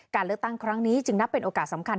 การเลือกตั้งครั้งนี้จึงนับเป็นโอกาสสำคัญ